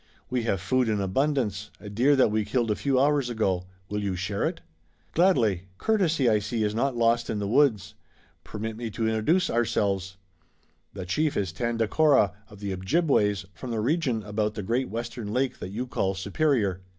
We have food in abundance, a deer that we killed a few hours ago. Will you share it?" "Gladly. Courtesy, I see, is not lost in the woods. Permit me to introduce ourselves. The chief is Tandakora of the Ojibways, from the region about the great western lake that you call Superior.